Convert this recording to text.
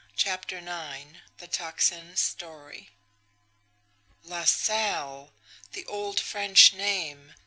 CHAPTER IX THE TOCSIN'S STORY LaSalle! The old French name!